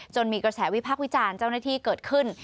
มีกระแสวิพักษ์วิจารณ์เจ้าหน้าที่เกิดขึ้น